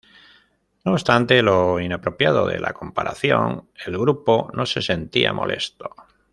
No obstante lo inapropiado de la comparación, el grupo no se sentía molesto.